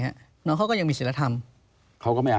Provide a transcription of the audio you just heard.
ไม่น้องเขาก็ยังมีสิรษฐรรม